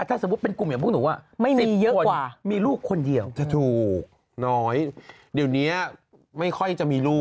ถ้าสมมติเป็นกลุ่มอย่างพวกหนู